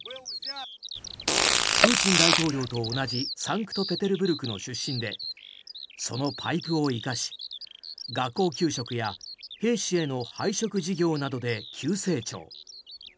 プーチン大統領と同じサンクトペテルブルクの出身でそのパイプを生かし学校給食や兵士への配食事業などで急成長。